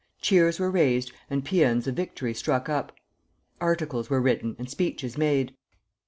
Cheers were raised and pæans of victory struck up. Articles were written and speeches made.